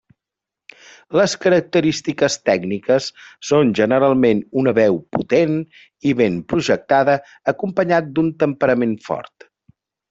Les característiques tècniques són generalment una veu potent i ben projectada acompanyat d'un temperament fort.